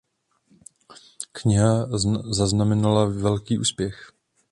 Kniha zaznamenala velký úspěch.